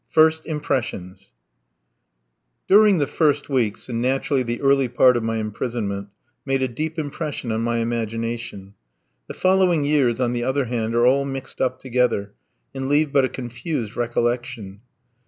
FIRST IMPRESSIONS During the first weeks, and naturally the early part of my imprisonment, made a deep impression on my imagination. The following years on the other hand are all mixed up together, and leave but a confused recollection.